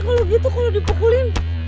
kalau gitu kalau dipukulin